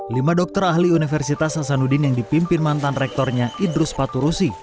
lima dokter ahli universitas hasanuddin yang dipimpin mantan rektornya idrus paturusi